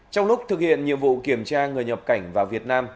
trong lúc thực hiện nhiệm vụ kiểm tra người nhập cảnh vào việt nam